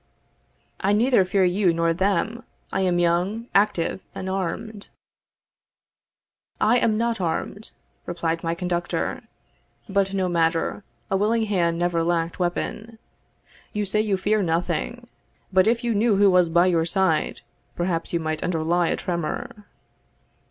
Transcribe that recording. "I neither fear you nor them; I am young, active, and armed." "I am not armed," replied my conductor: "but no matter, a willing hand never lacked weapon. You say you fear nothing; but if you knew who was by your side, perhaps you might underlie a tremor."